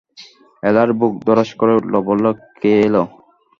এলার বুক ধড়াস করে উঠল, বললে, কে এল?